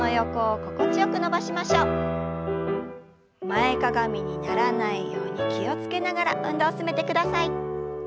前かがみにならないように気を付けながら運動を進めてください。